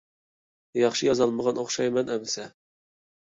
ياخشى يازالمىغان ئوخشايمەن ئەمىسە.